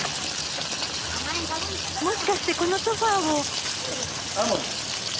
もしかしてこのソファーを。